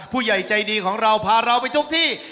ผู้ใหญ่ใจดีของเราพาเราไปทุกที่